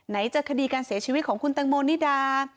จะคดีการเสียชีวิตของคุณตังโมนิดา